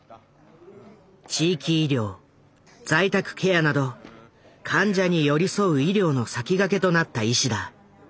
地域医療在宅ケアなど患者に寄り添う医療の先駆けとなった医師だ。